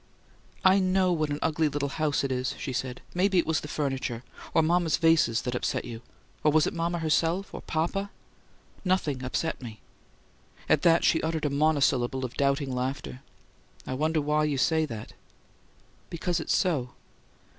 "I know what an ugly little house it is," she said. "Maybe it was the furniture or mama's vases that upset you. Or was it mama herself or papa?" "Nothing 'upset' me." At that she uttered a monosyllable of doubting laughter. "I wonder why you say that." "Because it's so."